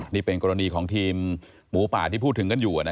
นี่เป็นกรณีของทีมหมูป่าที่พูดถึงกันอยู่